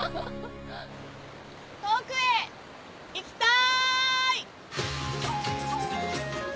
遠くへ行きたい！